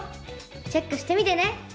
チェックしてみてね！